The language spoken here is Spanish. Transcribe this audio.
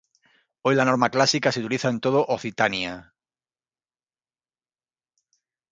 Hoy la norma clásica se utiliza en toda Occitania.